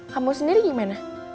kamu sendiri gimana